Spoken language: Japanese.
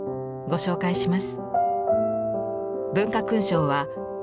ご紹介します。